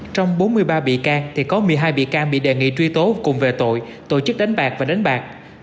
trong bốn mươi ba bị can thì có một mươi hai bị can bị đề nghị truy tố cùng về tội tổ chức đánh bạc và đánh bạc